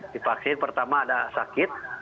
dipaksin pertama ada sakit